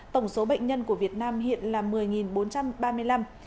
tổng số bệnh nhân của việt nam hiện là một mươi bốn trăm ba mươi năm